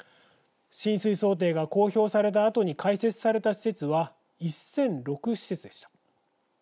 浸水想定が公表されたあとに開設された施設は１００６施設でした。